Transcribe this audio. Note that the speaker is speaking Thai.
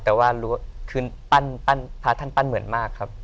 แต่ว่าคืนปั้นพระท่านปั้นเหมือนมากครับ